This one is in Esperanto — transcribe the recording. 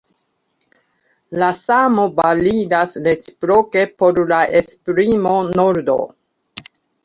La samo validas reciproke por la esprimo Nordo.